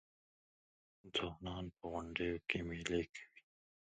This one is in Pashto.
ځوانان په غونډیو کې میلې کوي.